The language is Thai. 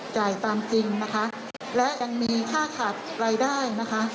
จ่ายตามจริงและยังมีค่าถัดรายได้